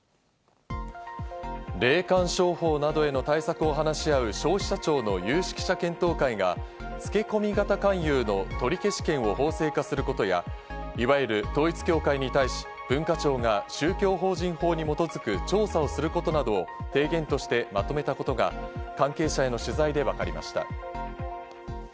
霊感商法などへの対策を話し合う消費者庁の有識者検討会がつけ込み型勧誘の取り消し権を法制化することや、いわゆる統一教会に対し、文化庁が宗教法人法に基づく調査をすることなどを提言としてまとめたことが関係者への取材でわかりました。